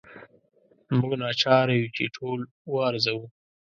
موږ ناچاره یو چې ټول وارزوو.